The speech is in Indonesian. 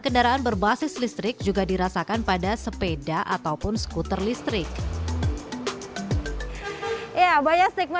kendaraan berbasis listrik juga dirasakan pada sepeda ataupun skuter listrik ya banyak stigma